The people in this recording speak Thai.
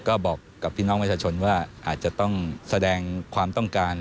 ก็บอกกับพี่น้องประชาชนว่าอาจจะต้องแสดงความต้องการ